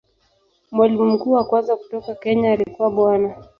Mwalimu mkuu wa kwanza kutoka Kenya alikuwa Bwana.